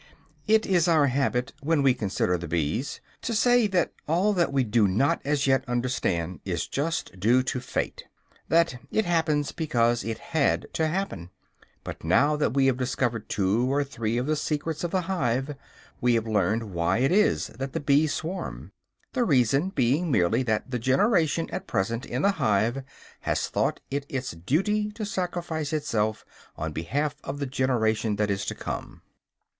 It is our habit, when we consider the bees, to say that all that we do not as yet understand is just due to fate, that it happens because it had to happen. But now that we have discovered two or three of the secrets of the hive, we have learned why it is that the bees swarm; the reason being merely that the generation at present in the hive has thought it its duty to sacrifice itself on behalf of the generation that is to come.